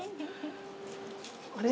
あれ？